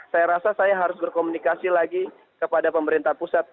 saya rasa saya harus berkomunikasi lagi kepada pemerintah pusat